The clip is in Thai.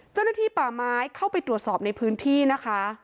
เจ้าหน้าที่ป่าไม้เข้าไปตรวจสอบในพื้นที่นะคะ